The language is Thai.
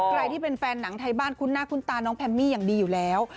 ใครที่เป็นแฟนหนังไทยบ้านคุ้นหน้าคุ้นตาน้องแพมมี่อย่างดีอยู่แล้ว